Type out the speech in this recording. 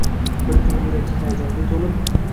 Bir kuni yuragi hayajonga toʻlib